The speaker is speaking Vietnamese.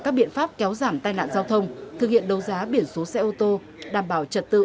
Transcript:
các biện pháp kéo giảm tai nạn giao thông thực hiện đấu giá biển số xe ô tô đảm bảo trật tự